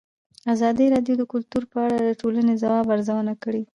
ازادي راډیو د کلتور په اړه د ټولنې د ځواب ارزونه کړې.